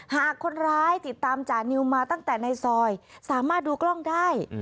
หากคนร้ายติดตามจานิวมาตั้งแต่ในซอยสามารถดูกล้องได้